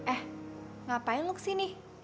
eh ngapain lu kesini